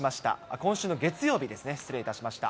今週の月曜日ですね、失礼いたしました。